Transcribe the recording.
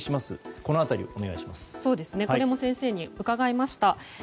ここも先生に伺いました。